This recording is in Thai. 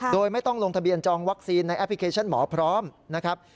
โดยไม่ต้องลงทะเบียนจองวัคซีนในแอปพลิเคชันหมอพร้อมนะครับ